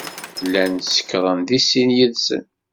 Llan sekṛen deg sin yid-sen.